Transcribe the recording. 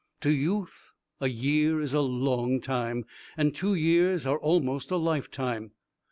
To youth a year is a long time, and two years are almost a life time.